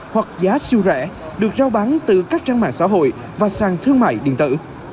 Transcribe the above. hoặc giá siêu rẻ được giao bán từ các trang mạng xã hội và sang thương mại điện tử